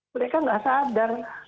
mereka tidak sadar